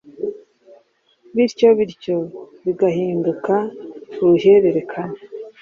bityo bityo bigahinduka uruhererekane